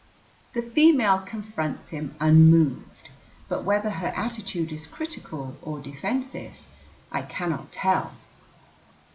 The female confronts him unmoved, but whether her attitude is critical or defensive, I cannot tell.